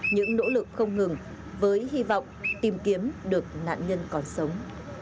những nỗ lực không ngừng với hy vọng tìm kiếm được nạn nhân còn sống